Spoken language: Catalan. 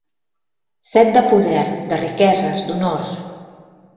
Set de poder, de riqueses, d'honors.